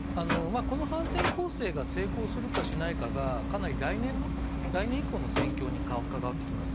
この反転攻勢が成功するかしないかが、かなり来年の、来年以降の戦況に関わってきます。